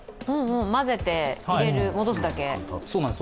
混ぜて入れる、戻すだけ。